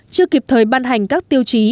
chưa kịp thời ban hành các tiêu chí